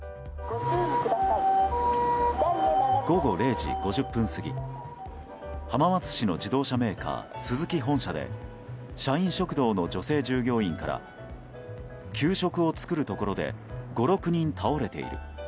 午後０時５０分過ぎ浜松市の自動車メーカースズキ本社で社員食堂の女性従業員から給食を作るところで５６人倒れている。